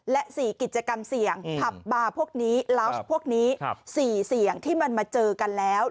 และ๔กิจกรรมเสี่ยงผับบาร์พวกนี้ลาวส์พวกนี้๔เสี่ยงที่มันมาเจอกันแล้ว